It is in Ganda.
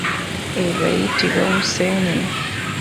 Eba eyitibwa omusenene.